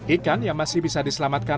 ikan yang masih bisa diselamatkan